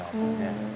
うん。